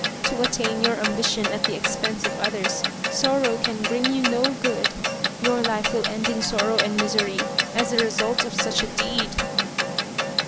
To attain your ambition at the expense of others, sorrow can bring you no good. Your life will end in sorrow and misery as the result of such a deed."